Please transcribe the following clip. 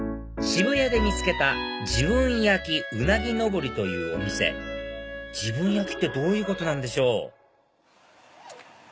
渋谷で見つけた「自分焼きウナギノボリ」というお店自分焼きってどういうことなんでしょう？